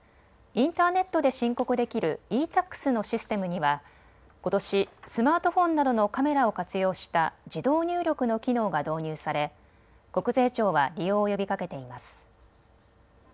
インターネットで申告できるｅ−Ｔａｘのシステムにはことし、スマートフォンなどのカメラを活用した自動入力の機能が導入され国税庁は利用を呼びかけています。